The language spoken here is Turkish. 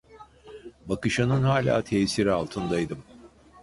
Bakışının hala tesiri altındaydım.